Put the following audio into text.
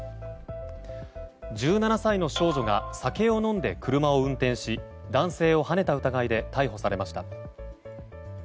１７歳の少女が酒を飲んで車を運転し男性をはねた疑いで逮捕されました。